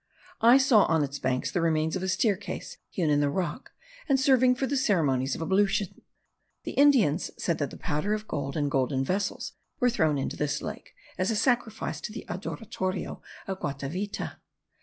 I saw on its banks the remains of a staircase hewn in the rock, and serving for the ceremonies of ablution. The Indians said that powder of gold and golden vessels were thrown into this lake, as a sacrifice to the adoratorio de Guatavita.